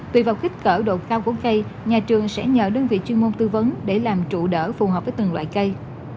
tùy vào kích cỡ độ cao của cây nhà trường sẽ nhờ đơn vị chuyên môn tư vấn để làm trụ đỡ phù hợp với từng loại cây